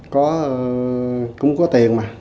có cũng có tiền mà